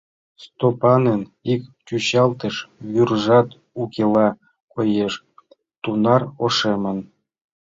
Стопанын ик чӱчалтыш вӱржат укела коеш: тунар ошемын.